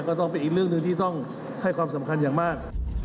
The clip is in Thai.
ก็ต้องเป็นอีกเรื่องหนึ่งที่ต้องให้ความสำคัญอย่างมาก